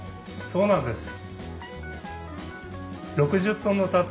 そうなんです。